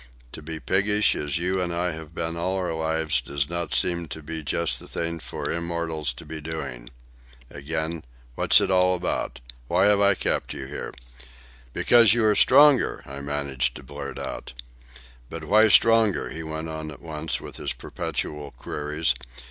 To be piggish as you and I have been all our lives does not seem to be just the thing for immortals to be doing. Again, what's it all about? Why have I kept you here?—" "Because you are stronger," I managed to blurt out. "But why stronger?" he went on at once with his perpetual queries.